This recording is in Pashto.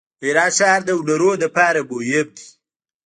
د هرات ښار د هنرونو لپاره مهم دی.